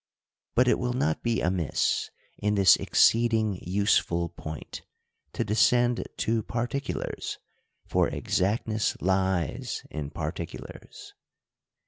But it will not be amiss, in this exceeding useful point, to descend to particulars ; for exactness lies in particulars.